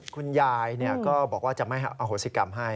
คุณยายก็บอกว่าจะไม่อโหสิกรรมให้